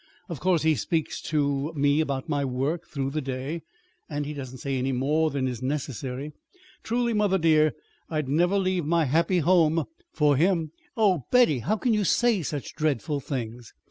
Of course he speaks to me about my work through the day; but he doesn't say any more than is necessary. Truly, mother, dear, I'd never leave my happy home for him." "Oh, Betty, how can you say such dreadful things!"